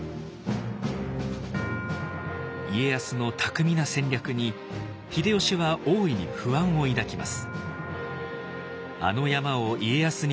家康の巧みな戦略に秀吉は大いに不安を抱きます。